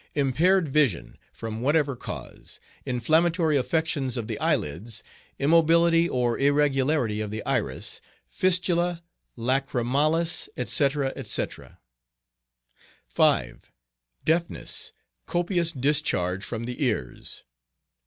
Impaired vision, from whatever cause; inflammatory affections of the eyelids; immobility or irregularity of the iris; fistula, lachrymalis, etc., etc. 5. Deafness; copious discharge from the ears.